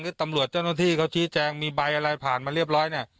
ตำรวจเจ้าหน้าที่เขาชี้แจงมีใบอะไรผ่านมาเรียบร้อยเนี่ย